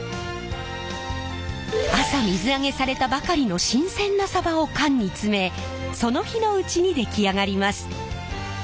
朝水揚げされたばかりの新鮮なさばを缶に詰めその日のうちに出来上がります。